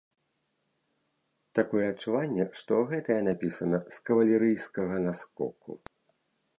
Такое адчуванне, што гэтая напісана з кавалерыйскага наскоку.